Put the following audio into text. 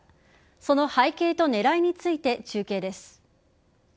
その背景と狙いについて中継です。